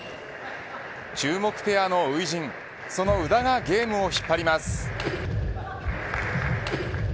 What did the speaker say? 注目ペアの初陣その宇田がゲームを引っ張ります。